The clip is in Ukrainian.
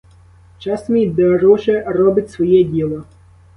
Час, мій друже, робить своє діло.